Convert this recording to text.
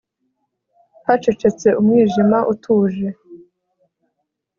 hacecetse umwijima utuje